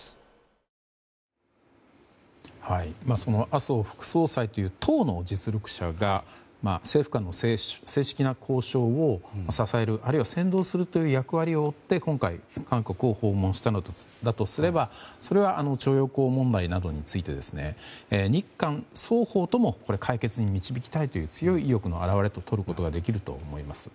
麻生副総裁という党の実力者が政府間の正式な交渉を支えるあるいは先導するという役割を負って、今回韓国を訪問したのだとすればそれは、徴用工問題などについて日韓双方とも解決に導きたいという強い意欲の表れととることができると思います。